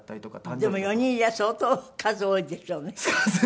でも４人いりゃ相当数多いでしょうね。